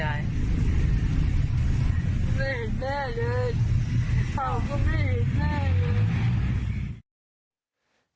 ไม่เห็นแน่เลยเขาก็ไม่เห็นแม่เลย